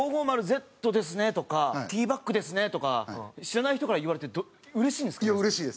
「５５０Ｚですね」とか「Ｔバックですね」とか知らない人から言われてうれしいんですか？